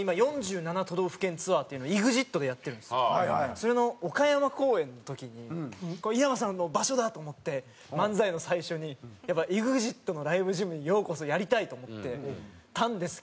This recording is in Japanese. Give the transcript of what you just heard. それの岡山公演の時に「稲葉さんの場所だ！」と思って漫才の最初に「ＥＸＩＴのＬＩＶＥ−ＧＹＭにようこそ！」やりたいと思ってたんですけど